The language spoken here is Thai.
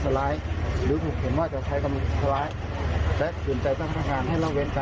ตำรวจอ่านหมายแล้วก็ควบคุมตัวยูทูบเบอร์คนนี้นะคะ